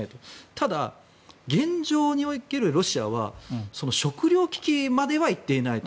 ただ、現状におけるロシアは食糧危機まで入ってないと。